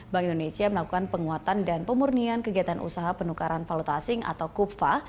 bank indonesia melakukan penguatan dan pemurnian kegiatan usaha penukaran valuta asing atau kufa